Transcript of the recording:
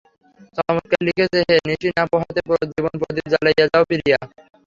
চমৎকার লিখেছে হে– নিশি না পোহাতে জীবনপ্রদীপ জ্বালাইয়া যাও প্রিয়া!